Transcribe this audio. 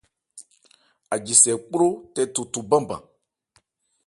Ajisɛ kpró tɛ thotho banban.